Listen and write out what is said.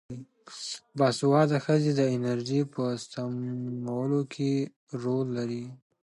باسواده ښځې د انرژۍ په سپمولو کې رول لري.